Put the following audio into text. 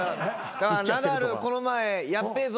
ナダルこの前やっべぇぞ！